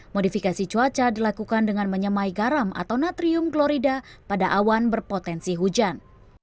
modifikasi cuaca dilakukan dengan menyemai garam atau natrium glorida pada awan berpotensi hujan